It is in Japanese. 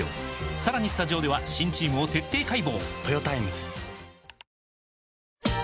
さらにスタジオでは新チームを徹底解剖！